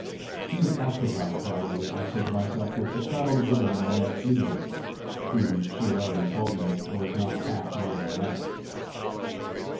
"She is occupied probably," I said to myself, "with the child of the woman I met fleeing!" who, she had already told me, was not half mother enough.